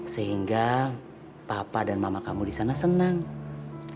sehingga papa dan mama kamu disana senang ya